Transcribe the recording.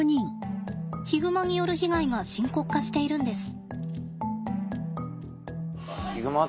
ヒグマによる被害が深刻化しているんです。